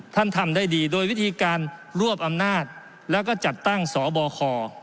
ทำได้ดีโดยวิธีการรวบอำนาจแล้วก็จัดตั้งสบค